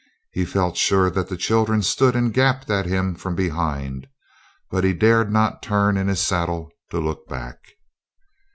He felt sure that the children stood and gaped at him from behind, but he dared not turn in his saddle to look back.